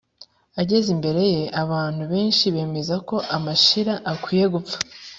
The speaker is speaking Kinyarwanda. ageze imbere ye abantu benshi bemeza ko mashira akwiye gupfa.